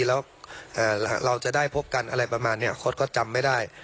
แล้วเราจะได้พบกันอะไรประมาณนี้โค้ดก็จำไม่ได้